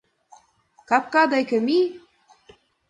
— Капка деке мие!